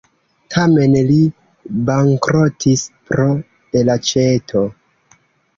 Tamen li bankrotis pro elaĉeto.